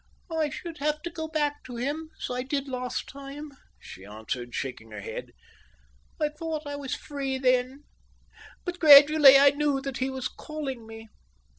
"I should have to go back to him, as I did last time," she answered, shaking her head. "I thought I was free then, but gradually I knew that he was calling me.